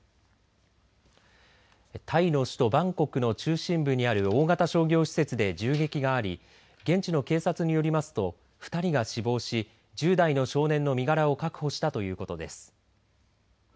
タイの首都バンコクの中心部にある大型商業施設で銃撃があり現地の警察によりますと２人が死亡し、１０代の少年の身柄を確保したということです。